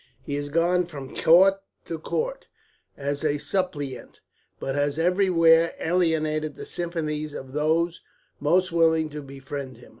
He has gone from court to court as a suppliant, but has everywhere alienated the sympathies of those most willing to befriend him.